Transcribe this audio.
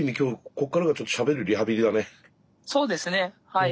はい。